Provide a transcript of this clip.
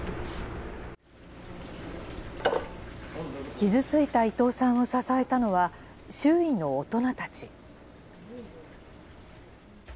傷ついた伊藤さんを支えたのは、周囲の大人たち。